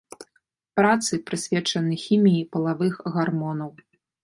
Працы прысвечаны хіміі палавых гармонаў.